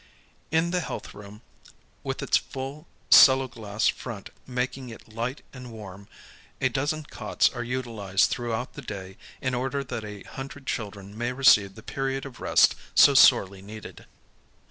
In the health room, with its full celloglass front making it light and warm, a dozen cots are utilized throughout the day in order that a hundred children may receive the period of rest so sorely needed.